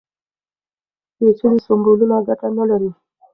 پېچلي سمبولونه ګټه نه لري.